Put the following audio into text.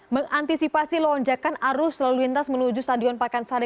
mengantisipasi lonjakan arus lalu lintas menuju stadion pakansari